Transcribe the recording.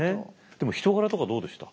でも人柄とかどうでした？